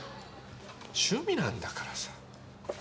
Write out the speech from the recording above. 趣味なんだからさ。